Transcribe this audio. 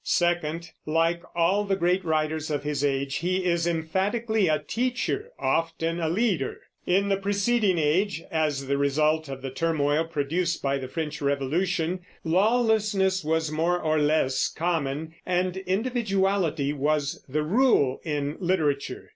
Second, like all the great writers of his age, he is emphatically a teacher, often a leader. In the preceding age, as the result of the turmoil produced by the French Revolution, lawlessness was more or less common, and individuality was the rule in literature.